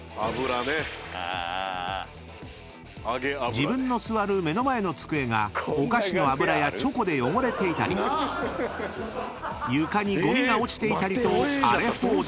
［自分の座る目の前の机がお菓子の油やチョコで汚れていたり床にゴミが落ちていたりと荒れ放題］